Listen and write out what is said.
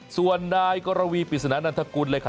ส่วนนายกรวีปริศนานันทกุลเลยค่ะ